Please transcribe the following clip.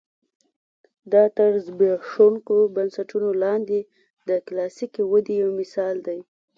دا تر زبېښونکو بنسټونو لاندې د کلاسیکې ودې یو مثال دی.